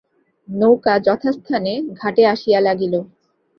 নৌকা যথাস্থানে ঘাটে আসিয়া লাগিল।